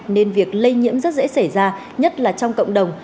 nên việc lây nhiễm rất dễ xảy ra nhất là trong cộng đồng